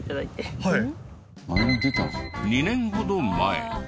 ２年ほど前。